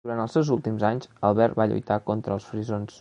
Durant els seus últims anys, Albert va lluitar contra els frisons.